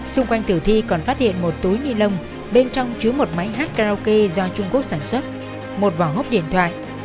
xung quanh tử thi còn phát hiện một túi ni lông bên trong chứa một máy hát karaoke do trung quốc sản xuất một vỏ hốc điện thoại